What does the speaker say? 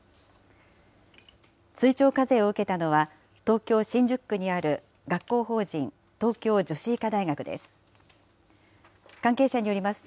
追徴課税を受けたのは、東京・新宿区にある学校法人東京女子医科大学です。